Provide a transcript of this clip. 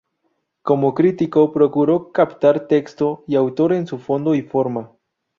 Como crítico, procuró captar texto y autor en su fondo y forma.